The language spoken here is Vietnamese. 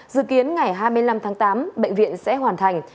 dự kiến ngày hai mươi năm tháng tám bệnh viện sẽ hoàn thành